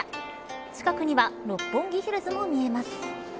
近くには六本木ヒルズも見えます。